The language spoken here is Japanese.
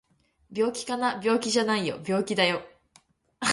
病気かな？病気じゃないよ病気だよ